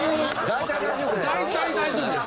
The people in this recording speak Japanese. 大体大丈夫です。